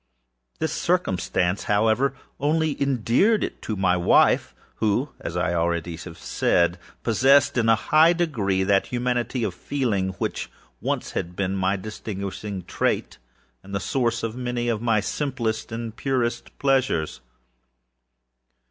This circumstance, however, only endeared it to my wife, who, as I have already said, possessed, in a high degree, that humanity of feeling which had once been my distinguishing trait, and the source of many of my simplest and purest pleasures.